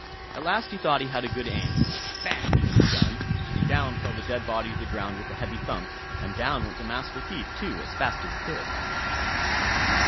At last he thought he had a good aim; "bang" went the gun, down fell the dead body to the ground with a heavy thump, and down went the Master Thief too as fast as he could.